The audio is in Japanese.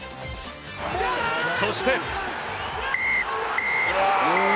そして。